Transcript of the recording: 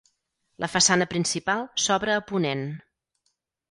La façana principal s'obre a ponent.